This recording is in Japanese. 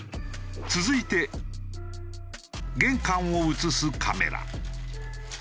続いて玄関を映すカメラ。